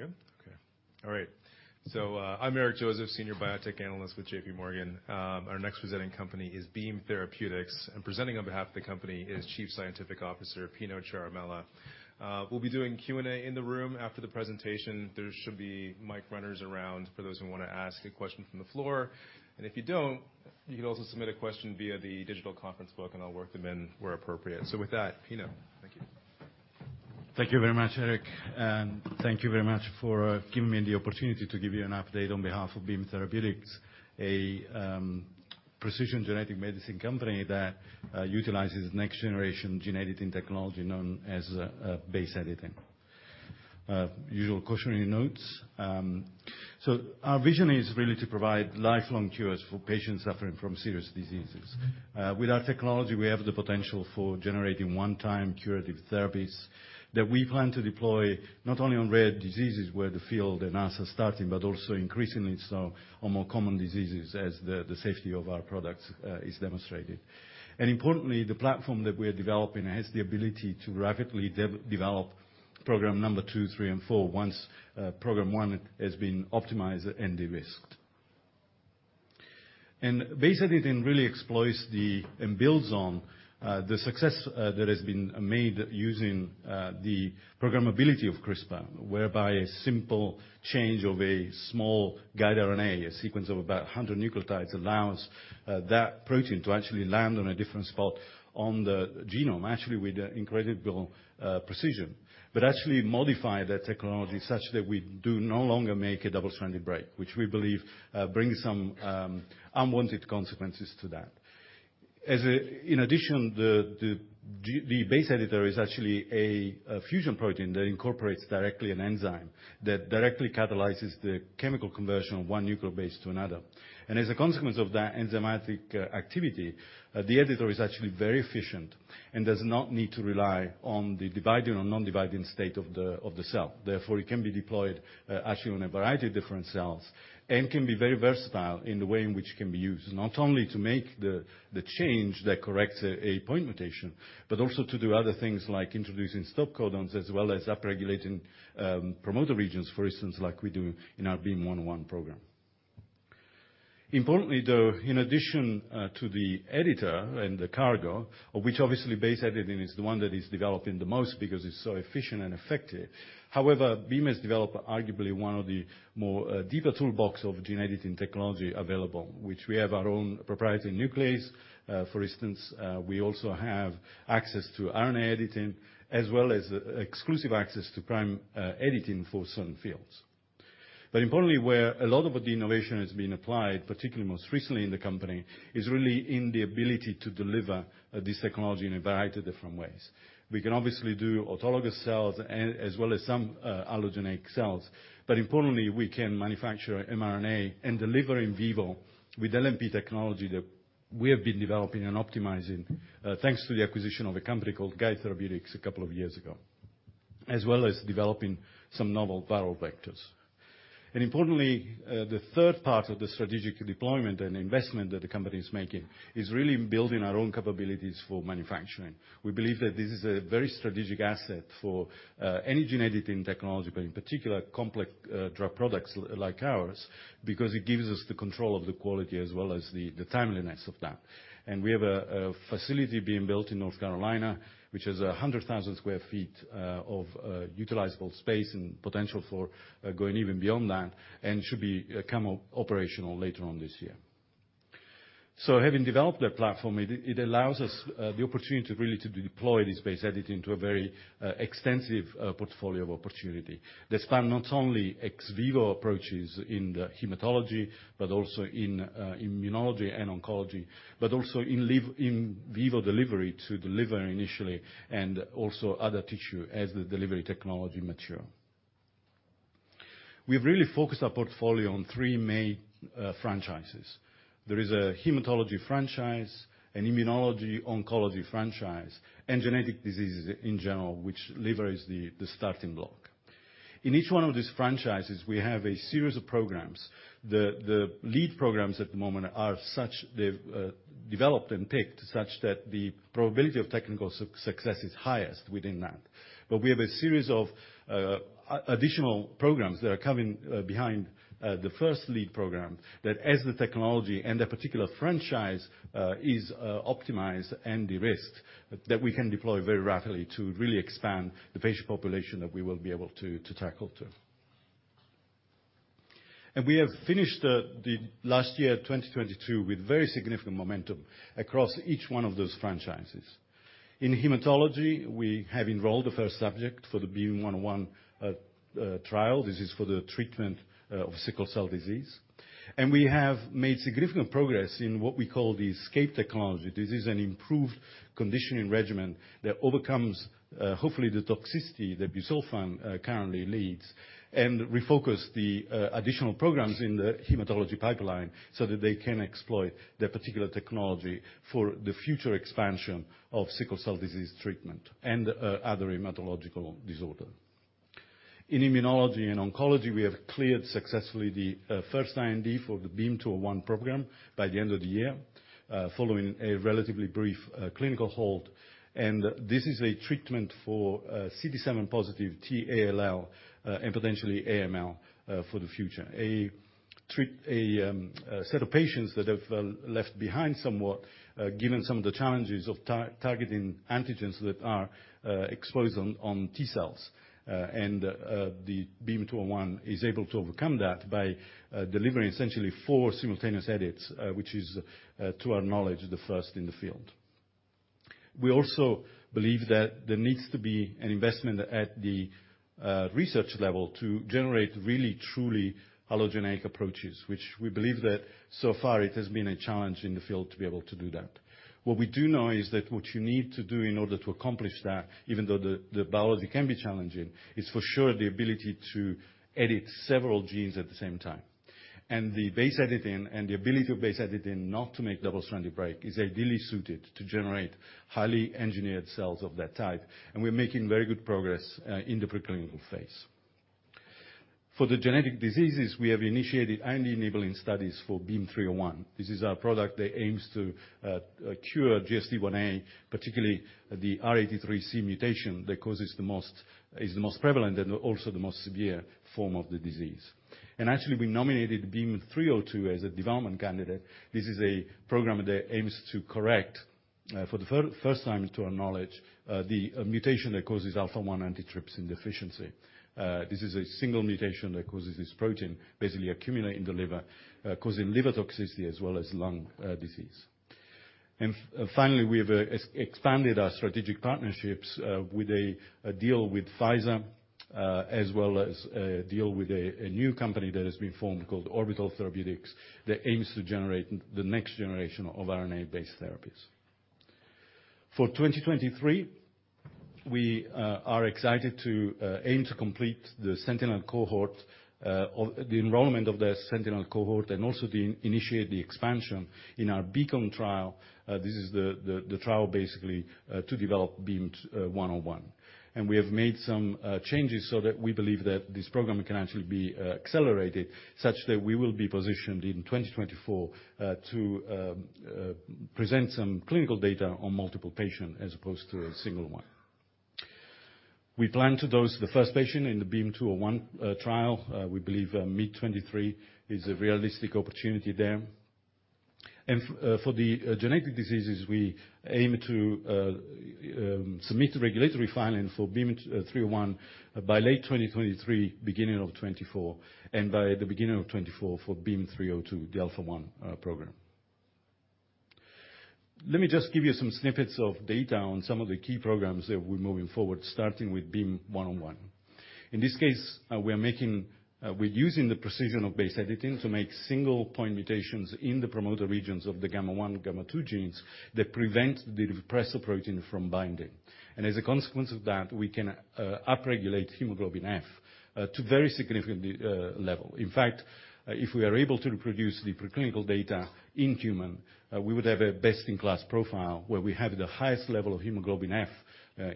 We good? Okay. All right. I'm Eric Joseph, Senior Biotech Analyst with J.P. Morgan. Our next presenting company is Beam Therapeutics. Presenting on behalf of the company is Chief Scientific Officer, Pino Ciaramella. We'll be doing Q&A in the room after the presentation. There should be mic runners around for those who want to ask a question from the floor. If you don't, you can also submit a question via the digital conference book, and I'll work them in where appropriate. With that, Pino. Thank you. Thank you very much, Eric, thank you very much for giving me the opportunity to give you an update on behalf of Beam Therapeutics, a precision genetic medicine company that utilizes next generation gene editing technology known as base editing. Usual cautionary notes. Our vision is really to provide lifelong cures for patients suffering from serious diseases. With our technology, we have the potential for generating one-time curative therapies that we plan to deploy not only on rare diseases where the field and us are starting, but also increasingly so on more common diseases as the safety of our products is demonstrated. Importantly, the platform that we're developing has the ability to rapidly develop program number two, three, and four, once program one has been optimized and de-risked. Base editing really exploits the, and builds on, the success that has been made using the programmability of CRISPR, whereby a simple change of a small guide RNA, a sequence of about 100 nucleotides, allows that protein to actually land on a different spot on the genome, actually with incredible precision. Actually modify that technology such that we do no longer make a double-stranded break, which we believe brings some unwanted consequences to that. In addition, the base editor is actually a fusion protein that incorporates directly an enzyme that directly catalyzes the chemical conversion of one nucleobase to another. As a consequence of that enzymatic activity, the editor is actually very efficient and does not need to rely on the dividing or non-dividing state of the cell. Therefore, it can be deployed, actually on a variety of different cells and can be very versatile in the way in which it can be used, not only to make the change that corrects a point mutation, but also to do other things like introducing stop codons as well as upregulating promoter regions, for instance, like we do in our BEAM-101 program. Importantly, though, in addition to the editor and the cargo, of which obviously base editing is the one that is developing the most because it's so efficient and effective. However, Beam has developed arguably one of the more deeper toolbox of gene editing technology available, which we have our own proprietary nuclease. For instance, we also have access to RNA editing as well as exclusive access to prime editing for certain fields. Where a lot of the innovation has been applied, particularly most recently in the company, is really in the ability to deliver this technology in a variety of different ways. We can obviously do autologous cells as well as some allogeneic cells. We can manufacture mRNA and deliver in vivo with LNP technology that we have been developing and optimizing, thanks to the acquisition of a company called Guide Therapeutics two years ago, as well as developing some novel viral vectors. The third part of the strategic deployment and investment that the company is making is really building our own capabilities for manufacturing. We believe that this is a very strategic asset for any gene editing technology, but in particular complex drug products like ours, because it gives us the control of the quality as well as the timeliness of that. And we have a facility being built in North Carolina, which is 100,000 sq ft of utilizable space and potential for going even beyond that, and should be come operational later on this year. So having developed that platform, it allows us the opportunity to really to deploy this base editing to a very extensive portfolio of opportunity that span not only ex vivo approaches in the hematology, but also in immunology and oncology, but also in in vivo delivery to deliver initially and also other tissue as the delivery technology mature. We've really focused our portfolio on three main franchises. There is a hematology franchise, an immunology, oncology franchise, and genetic diseases in general, which liver is the starting block. In each one of these franchises, we have a series of programs. The lead programs at the moment are such they've developed and picked such that the probability of technical success is highest within that. We have a series of additional programs that are coming behind the first lead program that as the technology and that particular franchise is optimized and de-risked, that we can deploy very rapidly to really expand the patient population that we will be able to tackle too. We have finished the last year, 2022, with very significant momentum across each one of those franchises. In hematology, we have enrolled the first subject for the BEAM-101 trial. This is for the treatment of sickle cell disease. We have made significant progress in what we call the ESCAPE technology. This is an improved conditioning regimen that overcomes hopefully the toxicity that Busulfan currently leads and refocus the additional programs in the hematology pipeline so that they can exploit that particular technology for the future expansion of sickle cell disease treatment and other hematological disorder. In immunology and oncology, we have cleared successfully the first IND for the BEAM-201 program by the end of the year following a relatively brief clinical hold, and this is a treatment for CD7 positive TALL and potentially AML for the future. Treat a set of patients that have left behind somewhat given some of the challenges of targeting antigens that are exposed on T cells. The BEAM-201 is able to overcome that by delivering essentially four simultaneous edits, which is to our knowledge, the first in the field. We also believe that there needs to be an investment at the research level to generate really truly allogeneic approaches, which we believe that so far it has been a challenge in the field to be able to do that. What we do know is that what you need to do in order to accomplish that, even though the biology can be challenging, is for sure the ability to edit several genes at the same time. The base editing and the ability of base editing not to make double-stranded break is ideally suited to generate highly engineered cells of that type, and we're making very good progress in the preclinical phase. For the genetic diseases, we have initiated and enabling studies for BEAM-301. This is our product that aims to cure GSD1A, particularly the R83C mutation that is the most prevalent and also the most severe form of the disease. Actually, we nominated BEAM-302 as a development candidate. This is a program that aims to correct for the first time, to our knowledge, the mutation that causes Alpha-1 Antitrypsin Deficiency. This is a single mutation that causes this protein, basically accumulate in the liver, causing liver toxicity as well as lung disease. Finally, we have expanded our strategic partnerships with a deal with Pfizer, as well as a deal with a new company that has been formed called Orbital Therapeutics, that aims to generate the next generation of RNA-based therapies. For 2023, we are excited to aim to complete the Sentinel cohort, or the enrollment of the Sentinel cohort, and also initiate the expansion in our BEACON trial. This is the trial basically to develop BEAM-101. We have made some changes so that we believe that this program can actually be accelerated such that we will be positioned in 2024 to present some clinical data on multiple patient as opposed to a single one. We plan to dose the first patient in the BEAM-201 trial. We believe mid 2023 is a realistic opportunity there. For the genetic diseases, we aim to submit the regulatory filing for BEAM-301 by late 2023, beginning of 2024, and by the beginning of 2024 for BEAM-302, the Alpha-1 program. Let me just give you some snippets of data on some of the key programs that we're moving forward, starting with BEAM-101. In this case, we are making, we're using the precision of base editing to make single point mutations in the promoter regions of the gamma-1, gamma-2 genes that prevent the repressor protein from binding. As a consequence of that, we can up-regulate hemoglobin F to very significantly level. In fact, if we are able to reproduce the preclinical data in human, we would have a best-in-class profile where we have the highest level of hemoglobin F,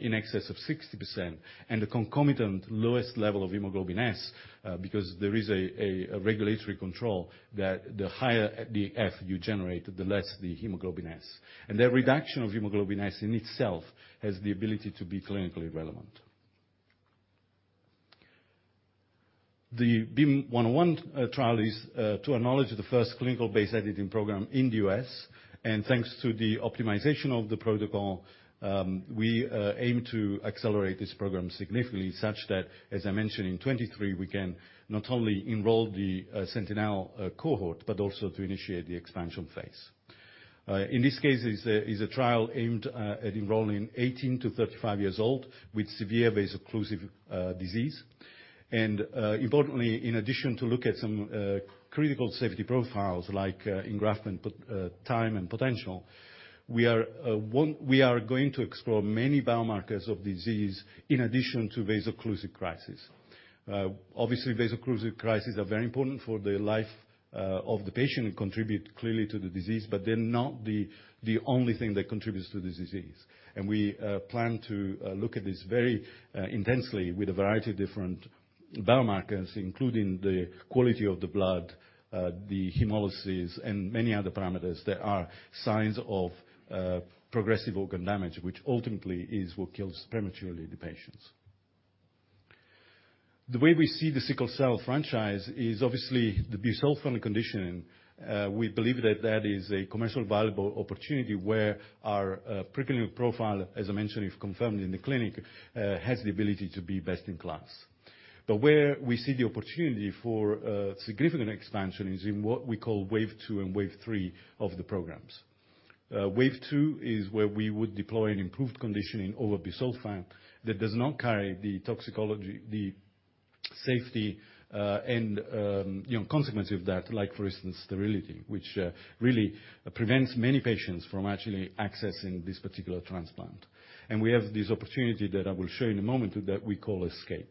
in excess of 60%, and the concomitant lowest level of hemoglobin S, because there is a regulatory control that the higher the F you generate, the less the hemoglobin S. That reduction of hemoglobin S in itself has the ability to be clinically relevant. The BEAM-101 trial is to our knowledge, the first clinical base editing program in the U.S. Thanks to the optimization of the protocol, we aim to accelerate this program significantly such that, as I mentioned, in 2023, we can not only enroll the Sentinel cohort, but also to initiate the expansion phase. In this case, is a trial aimed at enrolling 18 to 35 years old with severe vaso-occlusive disease. Importantly, in addition to look at some critical safety profiles like engraftment time and potential, we are going to explore many biomarkers of disease in addition to vaso-occlusive crisis. Obviously, vaso-occlusive crisis are very important for the life of the patient and contribute clearly to the disease, but they're not the only thing that contributes to the disease. We plan to look at this very intensely with a variety of different biomarkers, including the quality of the blood, the hemolysis, and many other parameters that are signs of progressive organ damage, which ultimately is what kills prematurely the patients. The way we see the sickle cell franchise is obviously the Busulfan conditioning. We believe that that is a commercial valuable opportunity where our preclinical profile, as I mentioned, if confirmed in the clinic, has the ability to be best in class. Where we see the opportunity for significant expansion is in what we call wave two and wave three of the programs. Wave two is where we would deploy an improved conditioning over Busulfan that does not carry the toxicology, the safety, and, you know, consequence of that, like for instance, sterility, which really prevents many patients from actually accessing this particular transplant. We have this opportunity that I will show you in a moment that we call ESCAPE.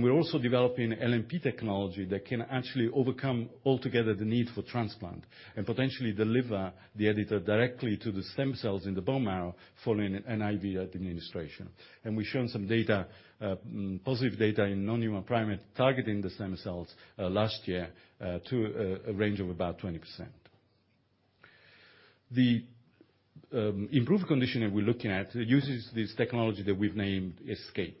We're also developing LNP technology that can actually overcome altogether the need for transplant and potentially deliver the editor directly to the stem cells in the bone marrow following an IV administration. We've shown some data, positive data in non-human primate targeting the stem cells last year, to a range of about 20%. The improved condition that we're looking at uses this technology that we've named ESCAPE.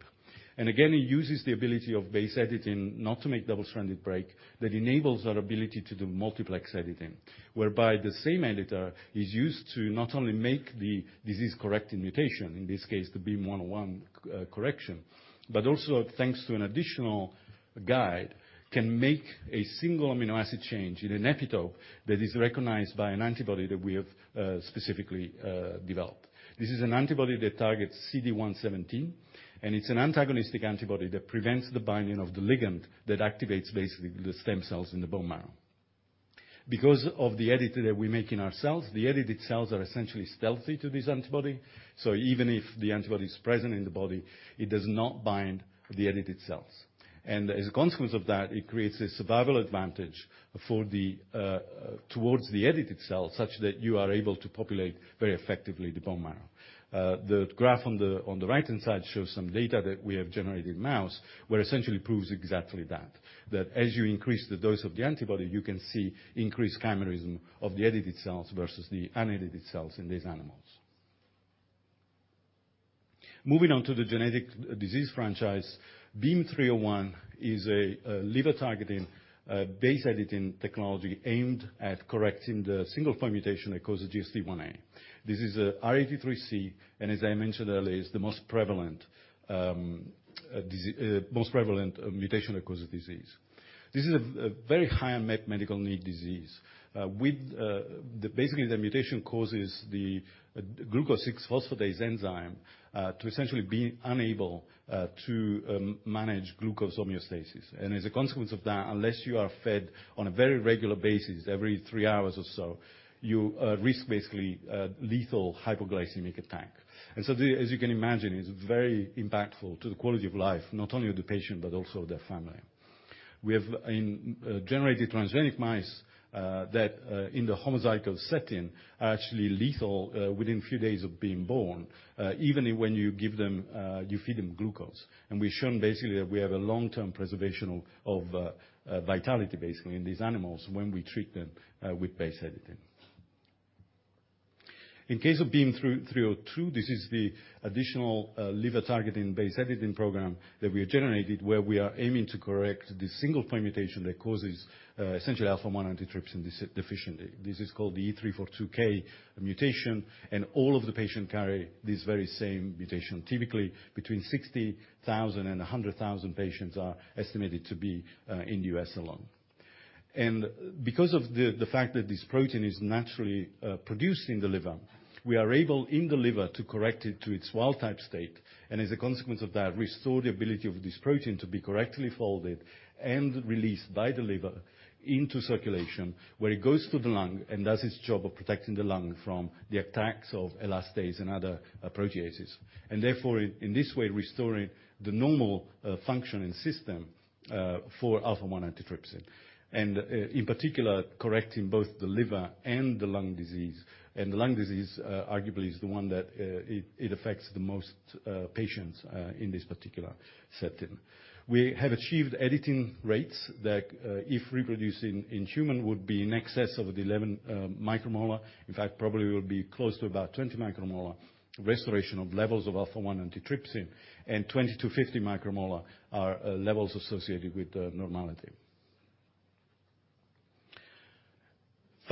Again, it uses the ability of base editing not to make double-stranded break that enables our ability to do multiplex editing, whereby the same editor is used to not only make the disease-correcting mutation, in this case, the BEAM-101 correction. Also, thanks to an additional guide, can make a single amino acid change in an epitope that is recognized by an antibody that we have specifically developed. This is an antibody that targets CD117, it's an antagonistic antibody that prevents the binding of the ligand that activates basically the stem cells in the bone marrow. Because of the editor that we make in our cells, the edited cells are essentially stealthy to this antibody. Even if the antibody is present in the body, it does not bind the edited cells. As a consequence of that, it creates a survival advantage for the towards the edited cell, such that you are able to populate very effectively the bone marrow. The graph on the, on the right-hand side shows some data that we have generated in mouse, where essentially proves exactly that. As you increase the dose of the antibody, you can see increased chimerism of the edited cells versus the unedited cells in these animals. Moving on to the genetic disease franchise, BEAM-301 is a liver-targeting base editing technology aimed at correcting the single-point mutation that causes GSD1A. This is a R83C, and as I mentioned earlier, is the most prevalent mutation that causes disease. This is a very high unmet medical need disease. Basically, the mutation causes the glucose-6-phosphate enzyme to essentially be unable to manage glucose homeostasis. As a consequence of that, unless you are fed on a very regular basis, every three hours or so, you risk basically a lethal hypoglycemic attack. The, as you can imagine, is very impactful to the quality of life, not only of the patient, but also their family. We have generated transgenic mice that in the homozygous setting, are actually lethal within few days of being born, even when you give them, you feed them glucose. We've shown basically that we have a long-term preservation of vitality, basically, in these animals when we treat them with base editing. In case of BEAM-302, this is the additional liver-targeting base editing program that we have generated, where we are aiming to correct the single-point mutation that causes essentially Alpha-1 Antitrypsin Deficiency. This is called the E342K mutation, all of the patient carry this very same mutation. Typically, between 60,000 and 100,000 patients are estimated to be in the U.S. alone. Because of the fact that this protein is naturally produced in the liver, we are able, in the liver, to correct it to its wild-type state, and as a consequence of that, restore the ability of this protein to be correctly folded and released by the liver into circulation, where it goes to the lung and does its job of protecting the lung from the attacks of elastase and other proteases. Therefore, in this way, restoring the normal function and system for Alpha-1 Antitrypsin. In particular, correcting both the liver and the lung disease, and the lung disease arguably is the one that affects the most patients in this particular setting. We have achieved editing rates that if reproduced in human, would be in excess of 11 micromolar. In fact, probably will be close to about 20 micromolar restoration of levels of Alpha-1 Antitrypsin, and 20 to 50 micromolar are levels associated with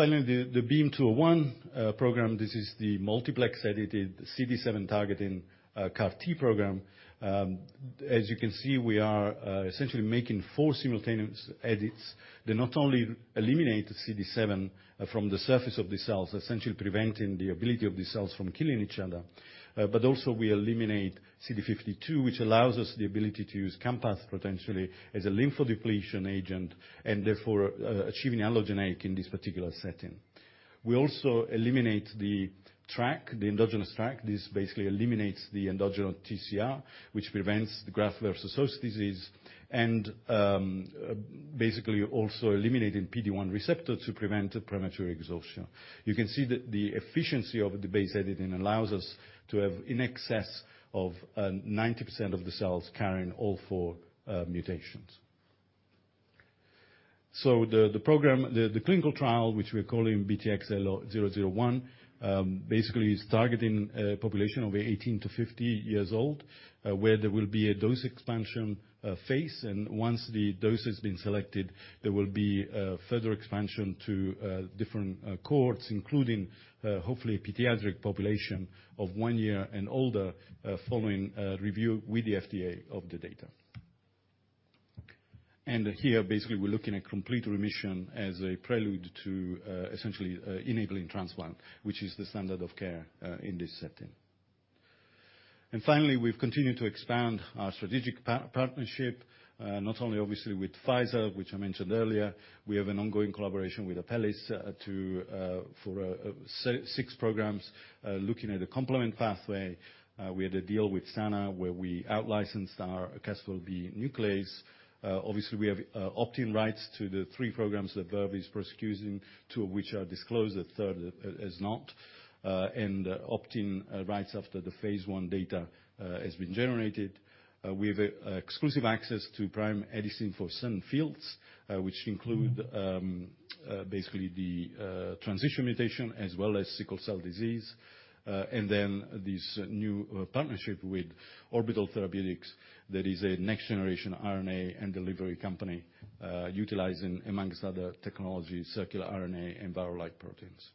the normality. The BEAM-201 program. This is the multiplex-edited CD7-targeting CAR T program. As you can see, we are essentially making four simultaneous edits that not only eliminate CD7 from the surface of the cells, essentially preventing the ability of the cells from killing each other. Also, we eliminate CD52, which allows us the ability to use Campath potentially as a lymphodepletion agent and therefore achieving allogeneic in this particular setting. We also eliminate the endogenous TRAC. This basically eliminates the endogenous TCR, which prevents the graft versus host disease and basically also eliminating PD-1 receptor to prevent premature exhaustion. You can see that the efficiency of the base editing allows us to have in excess of 90% of the cells carrying all four mutations. The program, the clinical trial, which we're calling BTXL 001, basically is targeting a population of 18 to 50 years old, where there will be a dose expansion phase. Once the dose has been selected, there will be further expansion to different cohorts, including hopefully pediatric population of one year and older, following review with the FDA of the data. Here, basically, we're looking at complete remission as a prelude to essentially enabling transplant, which is the standard of care in this setting. Finally, we've continued to expand our strategic part-partnership, not only obviously with Pfizer, which I mentioned earlier. We have an ongoing collaboration with Apellis for six programs looking at a complement pathway. We had a deal with Sana where we outlicensed our Cas12b nuclease. Obviously we have opt-in rights to the three programs that Verve is prosecuting, two of which are disclosed, the third is not. Opt-in right after the phase I data has been generated. We have exclusive access to prime editing for certain fields, which include basically the transition mutation as well as sickle cell disease. This new partnership with Orbital Therapeutics, that is a next-generation RNA and delivery company, utilizing amongst other technologies, circular RNA and viral-like proteins.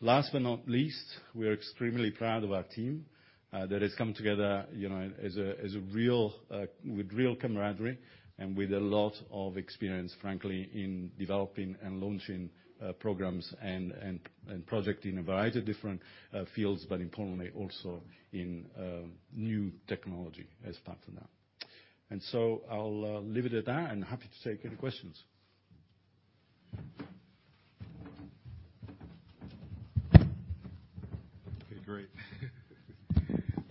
Last but not least, we are extremely proud of our team that has come together, you know, as a real with real camaraderie and with a lot of experience, frankly, in developing and launching programs and projects in a variety of different fields, but importantly also in new technology as partner. I'll leave it at that, and happy to take any questions.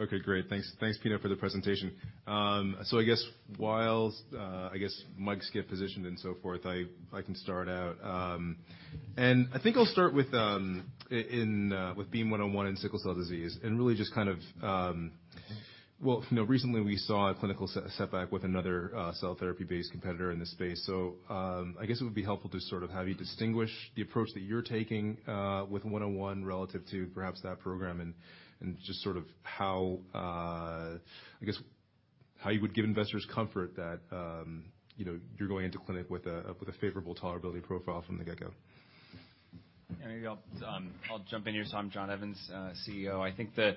Okay, great. Thanks, Pino, for the presentation. I guess while, I guess, mics get positioned and so forth, I can start out. I think I'll start with BEAM-101 and sickle cell disease and really just kind of. Well, you know, recently we saw a clinical setback with another cell therapy-based competitor in this space. I guess it would be helpful to sort of have you distinguish the approach that you're taking with 101 relative to perhaps that program and just sort of how, I guess, how you would give investors comfort that, you know, you're going into clinic with a favorable tolerability profile from the get-go. Maybe I'll jump in here. I'm John Evans, CEO. I think the,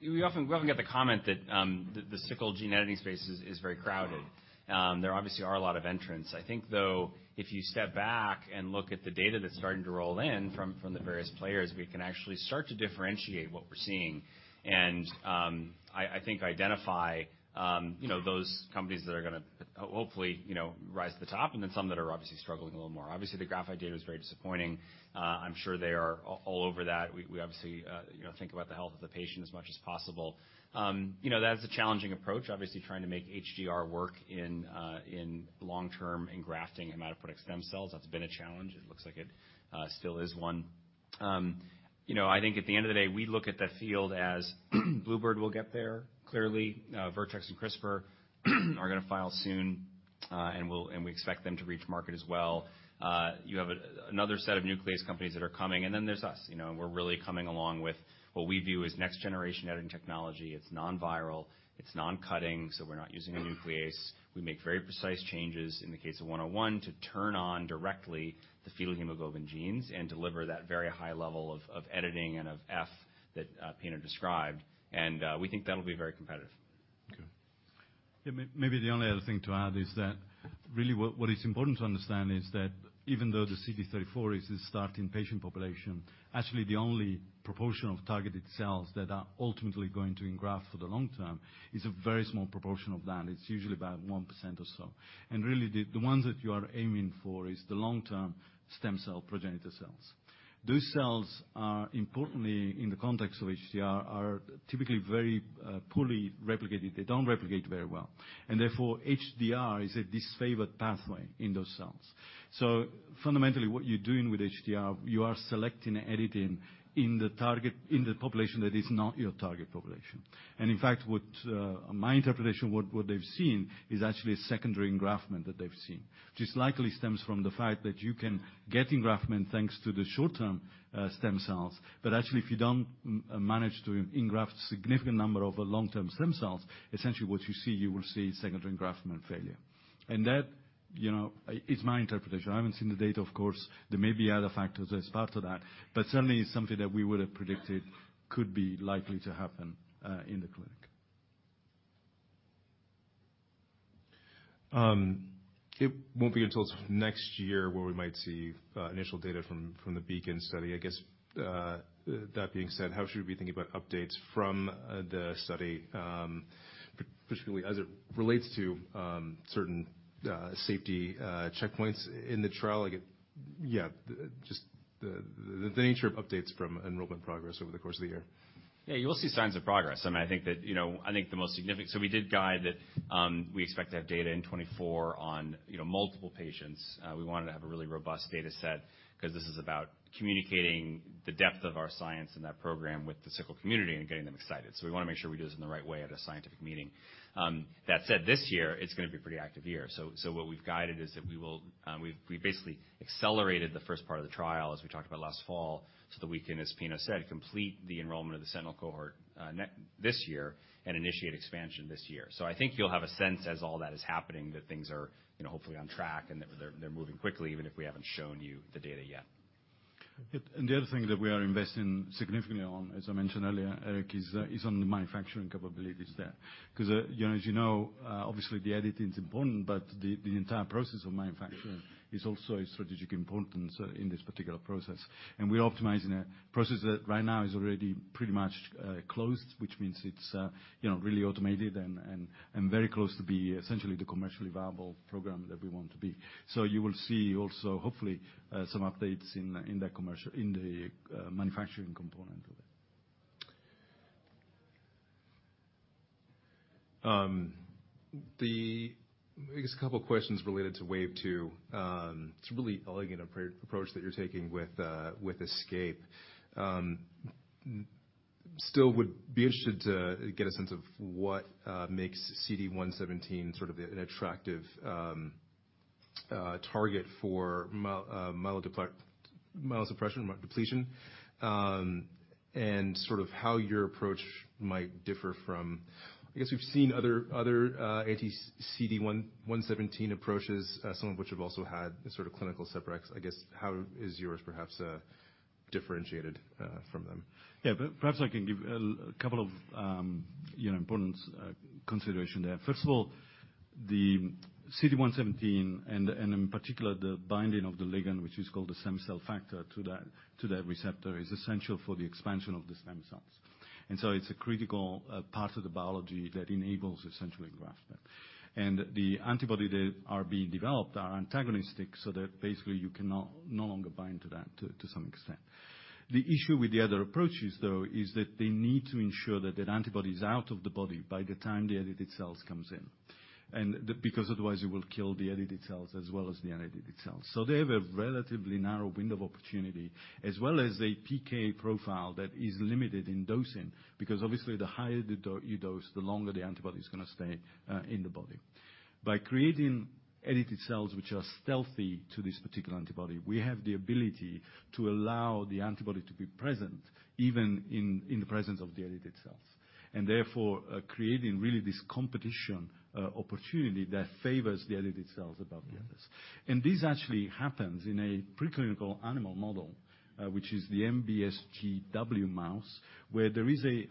we often get the comment that the sickle gene editing space is very crowded. There obviously are a lot of entrants. I think, though, if you step back and look at the data that's starting to roll in from the various players, we can actually start to differentiate what we're seeing and, I think identify, you know, those companies that are gonna hopefully, you know, rise to the top and then some that are obviously struggling a little more. Obviously, the Graphite data is very disappointing. I'm sure they are all over that. We obviously, you know, think about the health of the patient as much as possible. You know, that's a challenging approach. Obviously, trying to make HDR work in long-term engrafting hematopoietic stem cells, that's been a challenge. It looks like it still is one. You know, I think at the end of the day, we look at the field as Bluebird will get there, clearly. Vertex and CRISPR are gonna file soon, and we expect them to reach market as well. You have another set of nuclease companies that are coming, and then there's us. You know, we're really coming along with what we view as next-generation editing technology. It's non-viral, it's non-cutting, so we're not using a nuclease. We make very precise changes in the case of 101 to turn on directly the fetal hemoglobin genes and deliver that very high level of editing and of F that Pino described. We think that'll be very competitive. Okay. Maybe the only other thing to add is that really what is important to understand is that even though the CD34 is a starting patient population, actually the only proportion of targeted cells that are ultimately going to engraft for the long term is a very small proportion of that. It's usually about 1% or so. Really, the ones that you are aiming for is the long-term stem cell progenitor cells. Those cells are importantly in the context of HDR, are typically very poorly replicated. They don't replicate very well. Therefore, HDR is a disfavored pathway in those cells. Fundamentally, what you're doing with HDR, you are selecting and editing in the population that is not your target population. In fact, what, my interpretation, what they've seen is actually a secondary engraftment that they've seen, which likely stems from the fact that you can get engraftment thanks to the short-term, stem cells. Actually, if you don't manage to engraft significant number of long-term stem cells, essentially what you see, you will see secondary engraftment failure. That, you know, is my interpretation. I haven't seen the data, of course. There may be other factors as part of that, but certainly it's something that we would have predicted could be likely to happen in the clinic. It won't be until next year where we might see initial data from the BEACON study. That being said, how should we be thinking about updates from the study, particularly as it relates to certain safety checkpoints in the trial? Just the nature of updates from enrollment progress over the course of the year. Yeah, you will see signs of progress. I mean, I think that, you know, I think the most significant... We did guide that we expect to have data in 2024 on, you know, multiple patients. We wanted to have a really robust data set because this is about communicating the depth of our science in that program with the sickle community and getting them excited. We want to make sure we do this in the right way at a scientific meeting. That said, this year it's going to be a pretty active year. What we've guided is that we will, we basically accelerated the first part of the trial as we talked about last fall. That we can, as Pino Ciaramella said, complete the enrollment of the Sentinel cohort this year and initiate expansion this year. I think you'll have a sense as all that is happening, that things are, you know, hopefully on track and that they're moving quickly, even if we haven't shown you the data yet. The other thing that we are investing significantly on, as I mentioned earlier, Eric, is on the manufacturing capabilities there. 'Cause, you know, as you know, obviously the editing is important, but the entire process of manufacturing is also a strategic importance in this particular process. We're optimizing a process that right now is already pretty much closed, which means it's, you know, really automated and very close to be essentially the commercially viable program that we want to be. You will see also, hopefully, some updates in the manufacturing component. The, I guess, couple questions related to wave two. It's a really elegant approach that you're taking with ESCAPE. Still would be interested to get a sense of what makes CD117 sort of an attractive target for myelosuppression, myelodepletion, and sort of how your approach might differ from... I guess we've seen other anti-CD117 approaches, some of which have also had sort of clinical separate. I guess, how is yours perhaps differentiated from them? Perhaps I can give a couple of, you know, important consideration there. First of all, the CD117 and in particular, the binding of the ligand, which is called the stem cell factor to that receptor, is essential for the expansion of the stem cells. It's a critical part of the biology that enables essentially engraftment. The antibody that are being developed are antagonistic, so that basically you cannot no longer bind to that to some extent. The issue with the other approaches, though, is that they need to ensure that that antibody is out of the body by the time the edited cells comes in, because otherwise it will kill the edited cells as well as the unedited cells. They have a relatively narrow window of opportunity, as well as a PK profile that is limited in dosing, because obviously the higher the you dose, the longer the antibody is gonna stay in the body. By creating edited cells, which are stealthy to this particular antibody, we have the ability to allow the antibody to be present even in the presence of the edited cells, and therefore, creating really this competition opportunity that favors the edited cells above the others. This actually happens in a preclinical animal model, which is the NBSGW mouse, where there is a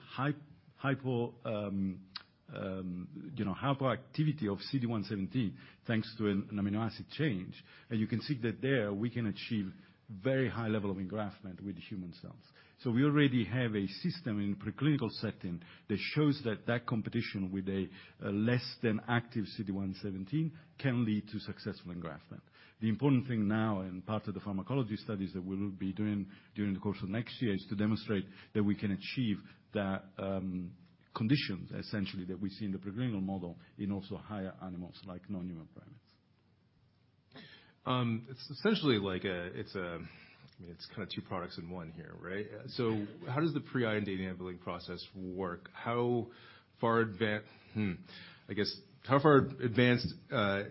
hypo, you know, hypoactivity of CD117, thanks to an amino acid change. You can see that there we can achieve very high level of engraftment with the human cells. We already have a system in preclinical setting that shows that that competition with a less than active CD117 can lead to successful engraftment. The important thing now and part of the pharmacology studies that we'll be doing during the course of next year is to demonstrate that we can achieve that condition essentially that we see in the preclinical model in also higher animals like non-human primates. It's essentially like a, it's a, I mean, it's kinda two products in one here, right? Yeah. How does the pre-IND process work? How far advanced, I guess, how far advanced with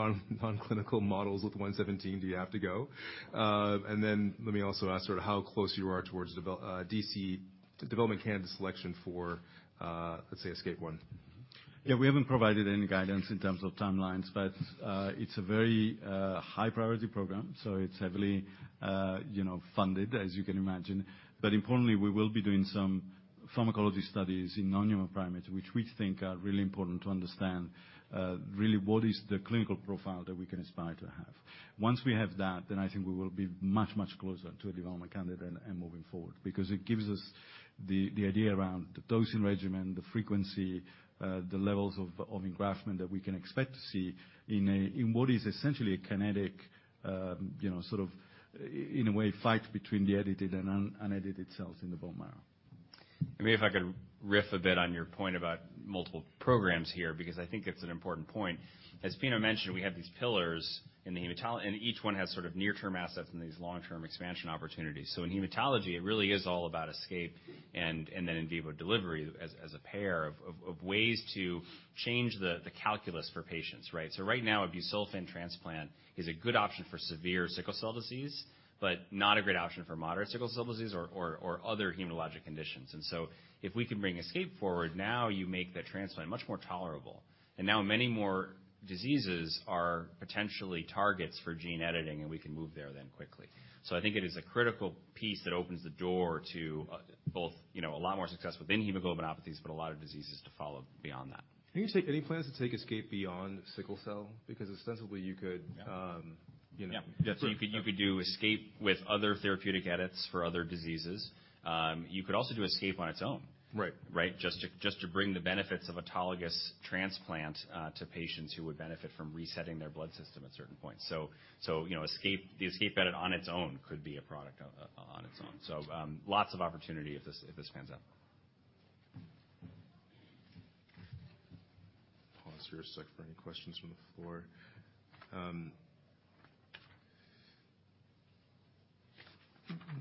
non-clinical models with CD117 do you have to go? Then let me also ask sort of how close you are towards DC, development candidate selection for, let's say ESCAPE 1. We haven't provided any guidance in terms of timelines, but it's a very high priority program, so it's heavily, you know, funded, as you can imagine. Importantly, we will be doing some pharmacology studies in non-human primates, which we think are really important to understand, really what is the clinical profile that we can aspire to have. Once we have that, I think we will be much, much closer to a development candidate and moving forward because it gives us the idea around the dosing regimen, the frequency, the levels of engraftment that we can expect to see in a, in what is essentially a kinetic, you know, in a way, fight between the edited and unedited cells in the bone marrow. Maybe if I could riff a bit on your point about multiple programs here, because I think it's an important point. As Pino Ciaramella mentioned, we have these pillars. Each one has sort of near-term assets and these long-term expansion opportunities. In hematology, it really is all about ESCAPE and then in vivo delivery as a pair of ways to change the calculus for patients, right? Right now, a busulfan transplant is a good option for severe sickle cell disease, but not a great option for moderate sickle cell disease or other hematologic conditions. If we can bring ESCAPE forward, now you make that transplant much more tolerable. Now many more diseases are potentially targets for gene editing, and we can move there then quickly. I think it is a critical piece that opens the door to, both, you know, a lot more success within hemoglobinopathies, but a lot of diseases to follow beyond that. Any plans to take ESCAPE beyond sickle cell? Ostensibly, you could, you know. Yeah. You could do ESCAPE with other therapeutic edits for other diseases. You could also do ESCAPE on its own. Right. Right? Just to bring the benefits of autologous transplant to patients who would benefit from resetting their blood system at certain points. You know, ESCAPE, the ESCAPE edit on its own could be a product on its own. Lots of opportunity if this, if this pans out. Pause for a sec for any questions from the floor.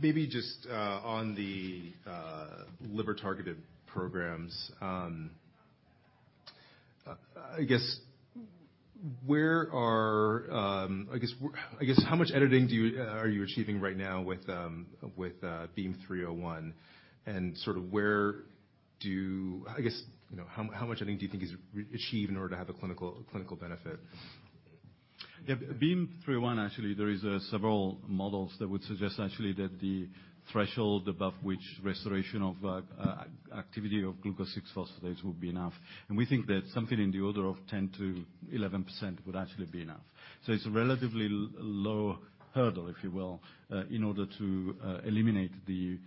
Maybe just on the liver-targeted programs, I guess how much editing do you, are you achieving right now with BEAM-301? Sort of where do, I guess, you know, how much editing do you think is achieved in order to have a clinical benefit? Yeah. BEAM-301, actually, there is several models that would suggest actually that the threshold above which restoration of activity of glucose-6-phosphate would be enough. We think that something in the order of 10%-11% would actually be enough. It's a relatively low hurdle, if you will, in order to eliminate the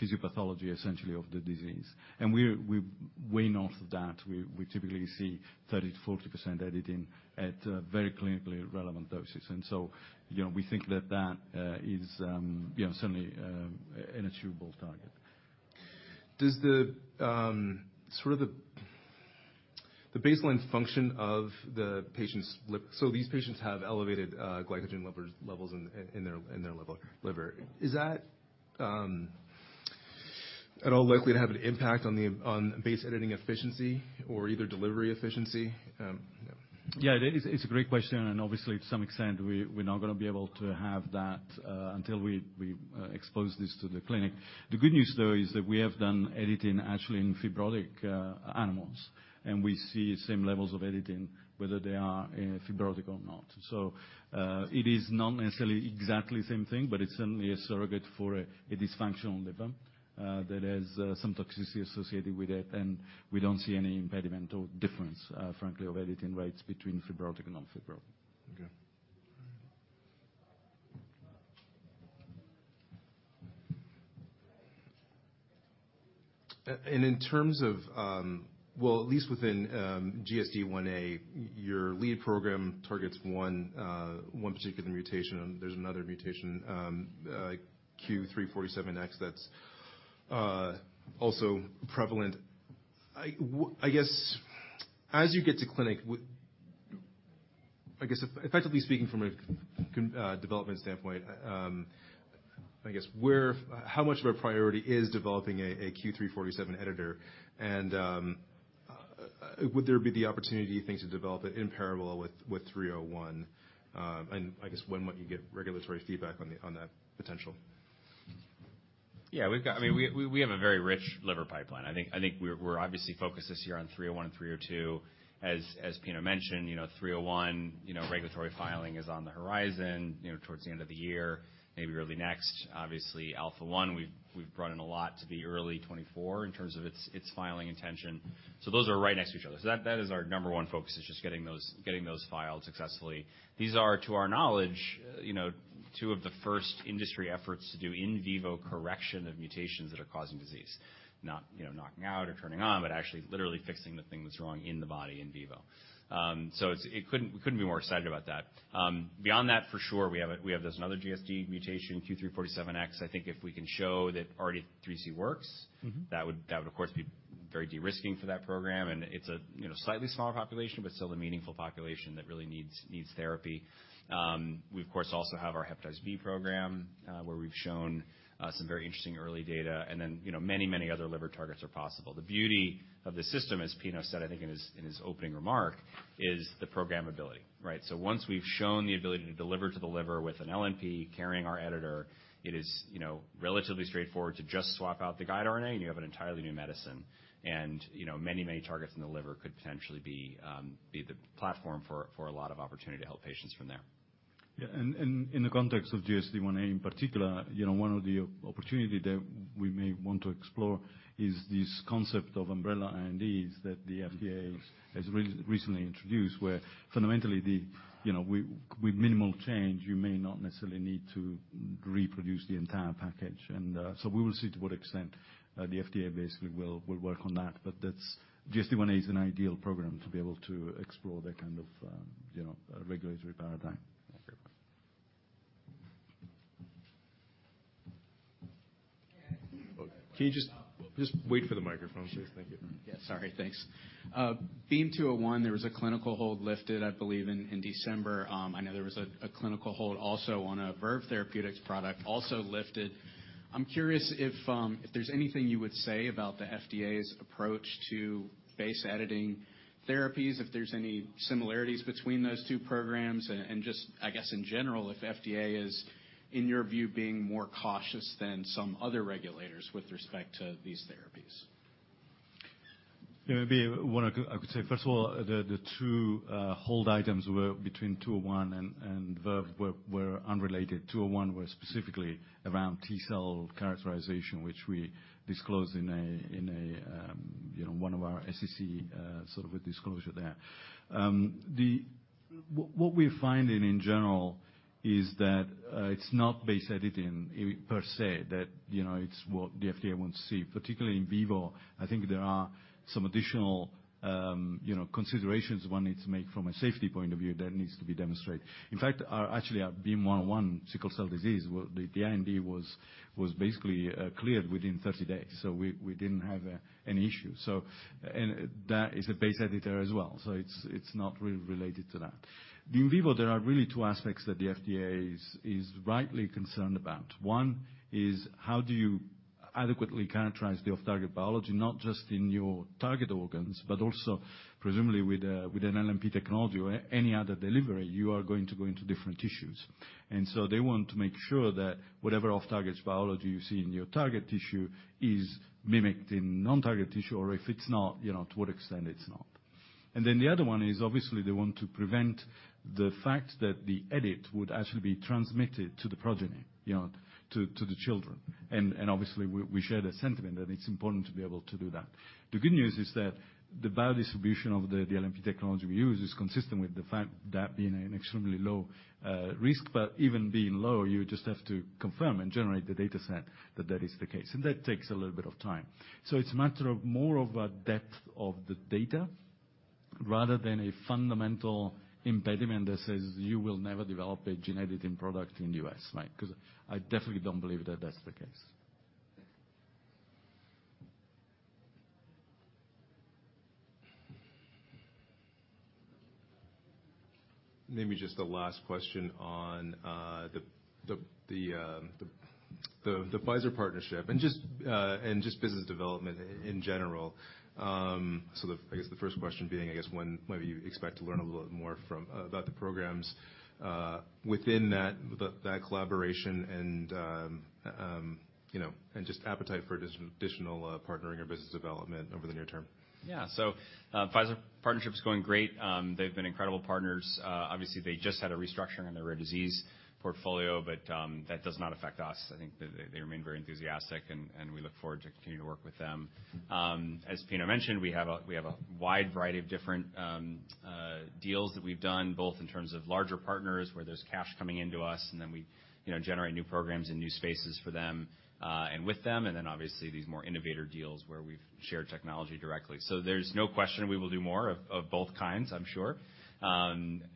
physiopathology essentially of the disease. We're way north of that. We typically see 30%-40% editing at very clinically relevant doses. You know, we think that that is, you know, certainly an achievable target. Does the sort of the baseline function of the patient's So these patients have elevated glycogen levels in their liver, is that at all likely to have an impact on the base editing efficiency or either delivery efficiency? Yeah, it is, it's a great question. Obviously to some extent we're not gonna be able to have that until we expose this to the clinic. The good news though is that we have done editing actually in fibrotic animals, and we see same levels of editing whether they are fibrotic or not. It is not necessarily exactly the same thing, but it's certainly a surrogate for a dysfunctional liver that has some toxicity associated with it. We don't see any impediment or difference, frankly, of editing rates between fibrotic and non-fibrotic. Okay. In terms of, well at least within GSD1A, your lead program targets one particular mutation. There's another mutation, Q347X that's also prevalent. I guess as you get to clinic, I guess effectively speaking from a development standpoint, how much of a priority is developing a Q347X editor? Would there be the opportunity, do you think, to develop it in parallel with 301? I guess when might you get regulatory feedback on the, on that potential? Yeah. We've got, I mean we have a very rich liver pipeline. I think we're obviously focused this year on BEAM-301 and BEAM-302. As Pino Ciaramella mentioned, you know, BEAM-301, you know, regulatory filing is on the horizon, you know, towards the end of the year, maybe early next. Obviously Alpha-1, we've brought in a lot to the early 2024 in terms of its filing intention. Those are right next to each other. That is our number 1 focus is just getting those filed successfully. These are, to our knowledge, you know, 2 of the first industry efforts to do in vivo correction of mutations that are causing disease. Not, you know, knocking out or turning on, but actually literally fixing the thing that's wrong in the body in vivo. We couldn't be more excited about that. Beyond that, for sure we have this another GSD mutation, Q347X. I think if we can show that R83C works. Mm-hmm. That would of course be very de-risking for that program. It's a, you know, slightly smaller population, but still a meaningful population that really needs therapy. We of course also have our Hepatitis B program, where we've shown some very interesting early data. You know, many, many other liver targets are possible. The beauty of the system, as Pino said, I think in his opening remark, is the programmability, right? Once we've shown the ability to deliver to the liver with an LNP carrying our editor, it is, you know, relatively straightforward to just swap out the guide RNA and you have an entirely new medicine. You know, many, many targets in the liver could potentially be the platform for a lot of opportunity to help patients from there. Yeah. In the context of GSD1A in particular, you know, one of the opportunity that we may want to explore is this concept of umbrella INDs that the FDA has recently introduced, where fundamentally the, you know, with minimal change, you may not necessarily need to reproduce the entire package. We will see to what extent the FDA basically will work on that. GSD1A is an ideal program to be able to explore that kind of, you know, regulatory paradigm. Okay. Can I ask a quick question about? Can you just wait for the microphone, please? Thank you. Yeah. Sorry. Thanks. Beam-201, there was a clinical hold lifted, I believe in December. I know there was a clinical hold also on a Verve Therapeutics product also lifted. I'm curious if there's anything you would say about the FDA's approach to base editing therapies, if there's any similarities between those two programs? Just I guess in general, if FDA is in your view being more cautious than some other regulators with respect to these therapies. Yeah. Maybe one I could say, first of all, the two hold items were between 201 and Verve were unrelated. 201 were specifically around T-cell characterization, which we disclosed in a, you know, one of our SEC sort of a disclosure there. What we're finding in general is that it's not base editing per se that, you know, it's what the FDA wants to see, particularly in vivo. I think there are some additional, you know, considerations one needs to make from a safety point of view that needs to be demonstrated. In fact, actually our BEAM-101 sickle cell disease, well the IND was basically cleared within 30 days, we didn't have any issue. That is a base editor as well. It's not really related to that. In vivo, there are really two aspects that the FDA is rightly concerned about. One is how do you adequately characterize the off-target biology, not just in your target organs, but also presumably with an LNP technology or any other delivery, you are going to go into different tissues. They want to make sure that whatever off-target biology you see in your target tissue is mimicked in non-target tissue, or if it's not, you know, to what extent it's not. Then the other one is obviously they want to prevent the fact that the edit would actually be transmitted to the progeny, you know, to the children. Obviously we share the sentiment that it's important to be able to do that. The good news is that the biodistribution of the LNP technology we use is consistent with the fact that being an extremely low risk, but even being low, you just have to confirm and generate the dataset that that is the case. That takes a little bit of time. It's a matter of more of a depth of the data Rather than a fundamental impediment that says you will never develop a gene editing product in U.S., right? Because I definitely don't believe that that's the case. Maybe just a last question on the Pfizer partnership and just business development in general. I guess the first question being, when do you expect to learn a little bit more about the programs within that collaboration and, you know, just appetite for additional partnering or business development over the near term? Yeah. Pfizer partnership's going great. They've been incredible partners. Obviously they just had a restructuring in their rare disease portfolio, that does not affect us. I think they remain very enthusiastic and we look forward to continuing to work with them. As Pino mentioned, we have a wide variety of different deals that we've done, both in terms of larger partners, where there's cash coming into us, and then we, you know, generate new programs and new spaces for them and with them, and then obviously these more innovator deals where we've shared technology directly. There's no question we will do more of both kinds, I'm sure.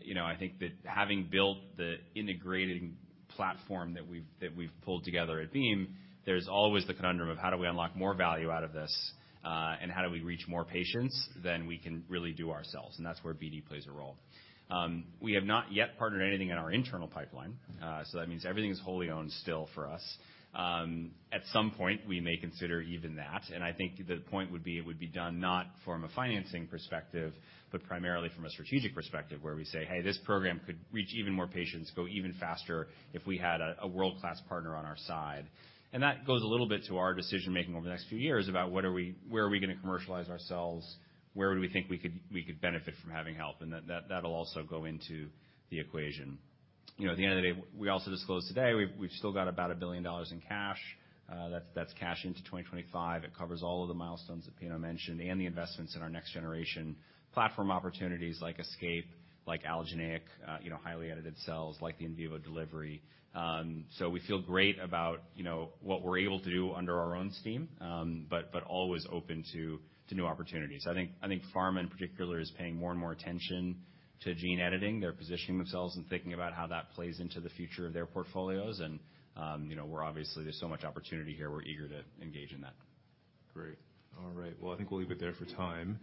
you know, I think that having built the integrating platform that we've, that we've pulled together at Beam, there's always the conundrum of how do we unlock more value out of this, and how do we reach more patients than we can really do ourselves, and that's where BD plays a role. We have not yet partnered anything in our internal pipeline. That means everything is wholly owned still for us. At some point, we may consider even that. I think the point would be it would be done not from a financing perspective, but primarily from a strategic perspective, where we say, "Hey, this program could reach even more patients, go even faster if we had a world-class partner on our side." That goes a little bit to our decision-making over the next few years about where are we gonna commercialize ourselves? Where would we think we could benefit from having help? That'll also go into the equation. You know, at the end of the day, we also disclosed today, we've still got about $1 billion in cash. That's cash into 2025. It covers all of the milestones that Pino mentioned and the investments in our next generation platform opportunities like ESCAPE, like allogeneic, you know, highly edited cells, like the in vivo delivery. We feel great about, you know, what we're able to do under our own steam, but always open to new opportunities. I think pharma in particular is paying more and more attention to gene editing. They're positioning themselves and thinking about how that plays into the future of their portfolios. There's so much opportunity here, we're eager to engage in that. Great. All right. I think we'll leave it there for time.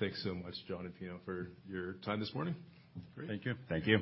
Thanks so much, John and Pino, for your time this morning. Great. Thank you. Thank you.